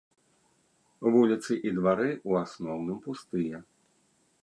Вуліцы і двары ў асноўным пустыя.